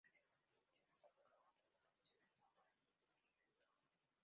Además de proporcionar color rojo, suele proporcionar sabor a pimentón.